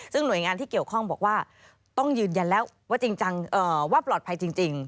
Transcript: ซึ่งหน่วยงานที่เกี่ยวข้องบอกว่าต้องยืนยันแล้วว่าจริงว่าปลอดภัยจริง